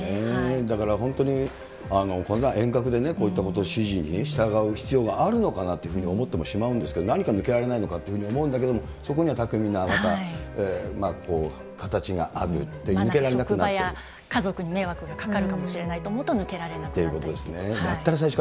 だから、本当にこんな遠隔でこういったことの指示に従う必要があるのかなというふうに思ってもしまうんですけれども、何か抜けられないのかって思うんだけれども、そこにはたくみななんか、職場や家族に迷惑がかかるかもしれないと思うと抜けられなくなったりとか。